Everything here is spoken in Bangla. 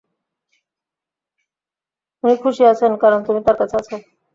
উনি খুশি আছেন কারণ তুমি তার কাছে আছে।